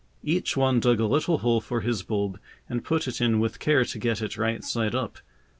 Each one dug a little hole for his bulb and put it in with care to get it right side up.